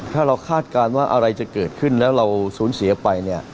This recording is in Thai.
ถ้าเราคาดการณ์ว่าอะไรจะเกิดขึ้นแล้วเราสูญเสียไปเนี่ย